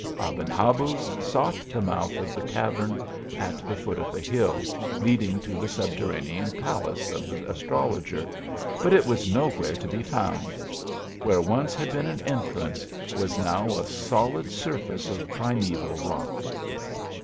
Aben Habuz sought the mouth of the cavern at the foot of the hill, leading to the subterranean palace of the astrologer, but it was no where to be found : where once had been an en trance, was now a solid surface of primeval rock.